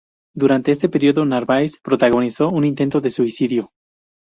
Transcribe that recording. Durante este periodo, Narváez protagonizó un intento de suicidio.